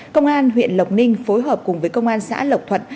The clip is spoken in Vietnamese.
công an huyện lộc ninh phối hợp cùng với công an xã lộc thuận